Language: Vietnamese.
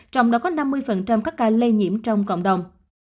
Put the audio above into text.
trong đó có năm mươi các ca lây nhiễm trong cộng đồng